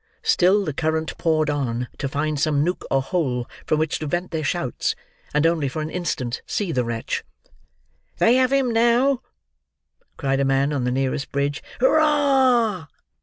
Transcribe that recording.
Still the current poured on to find some nook or hole from which to vent their shouts, and only for an instant see the wretch. "They have him now," cried a man on the nearest bridge. "Hurrah!"